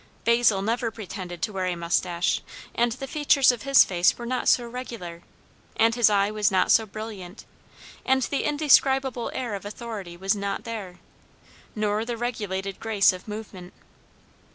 Basil never pretended to wear a moustache, and the features of his face were not so regular, and his eye was not so brilliant, and the indescribable air of authority was not there, nor the regulated grace of movement.